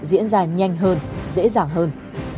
diễn ra nhanh hơn dễ dàng hơn